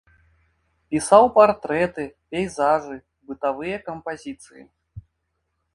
Пісаў партрэты, пейзажы, бытавыя кампазіцыі.